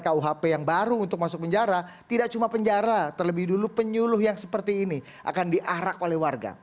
kuhp yang baru untuk masuk penjara tidak cuma penjara terlebih dulu penyuluh yang seperti ini akan diarak oleh warga